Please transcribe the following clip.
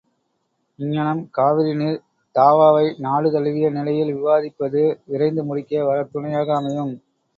இங்ஙணம் காவிரி நீர் தாவாவை நாடுதழுவிய நிலையில் விவாதிப்பது விரைந்து முடிவுக்கு வரத் துணையாக அமையும்.